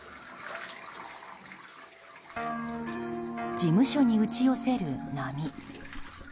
事務所に打ち寄せる波。